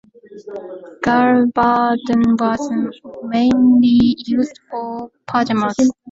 Gulbadan was mainly used for pajamas.